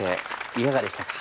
いかがでしたか？